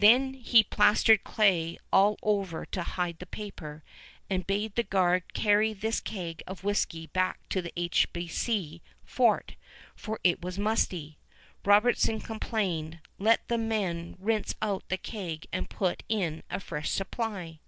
Then he plastered clay over all to hide the paper, and bade the guard carry this keg of whisky back to the H.B.C. fort; it was musty, Robertson complained; let the men rinse out the keg and put in a fresh supply!